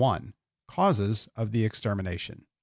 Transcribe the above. CAUSES OF THE EXTERMINATION.